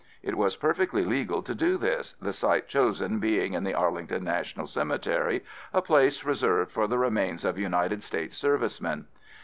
It was perfectly legal to do this, the site chosen being in the Arlington National Cemetery, a place reserved for the remains of United States servicemen.